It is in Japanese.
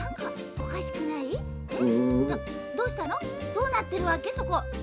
どうなってるわけそこ？